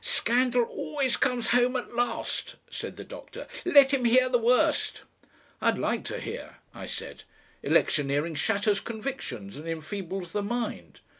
"Scandal always comes home at last," said the doctor. "Let him hear the worst." "I'd like to hear," I said. "Electioneering shatters convictions and enfeebles the mind."